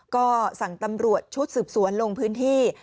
ก็สั่งตำรวจชุดสืบสวนลงพื้นที่